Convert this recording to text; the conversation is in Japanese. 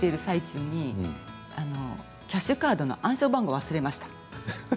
最中にキャッシュカードの暗証番号を忘れました。